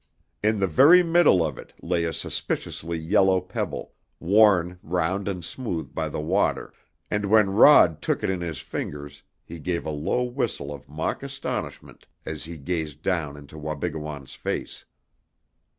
In the very middle of it lay a suspiciously yellow pebble, worn round and smooth by the water, and when Rod took it in his fingers he gave a low whistle of mock astonishment as he gazed down into Wabigoon's face.